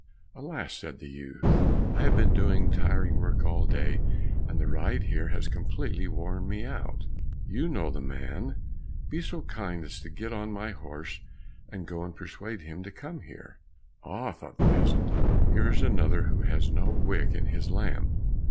"Alas," said the youth, "I have been doing tiring work all day, and the ride here has completely worn me out; you know the man, be so kind as to get on my horse, and go and persuade him to come here." "Aha!" thought the peasant, "here is another who has no wick in his lamp!"